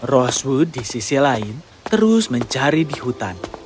roswood di sisi lain terus mencari di hutan